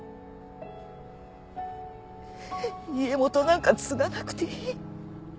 家元なんか継がなくていい。